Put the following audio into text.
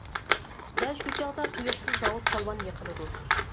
دەل شۇ چاغدا تۇيۇقسىز داۋۇت پالۋان يىقىلىدۇ.